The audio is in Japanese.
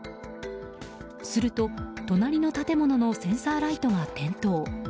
すると、隣の建物のセンサーライトが点灯。